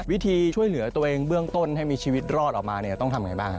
วิธีช่วยเหลือตัวเองเบื้องต้นให้มีชีวิตรอดออกมาเนี่ยต้องทำอย่างไรบ้าง